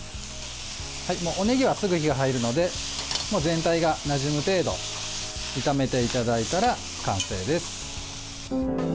おねぎは、すぐ火が入るので全体がなじむ程度炒めていただいたら完成です。